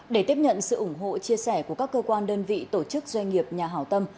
để tiếp nhận sự ủng hộ chia sẻ của các cơ quan đơn vị tổ chức doanh nghiệp nhà hảo tâm